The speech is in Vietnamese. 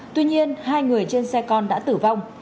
tuy nhiên hai người trên xe con đã tử vong